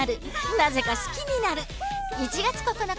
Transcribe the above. なぜか好きになる！